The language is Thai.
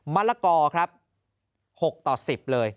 มะละกอ๖ต่อ๑๐เลย